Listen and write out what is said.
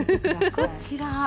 こちら。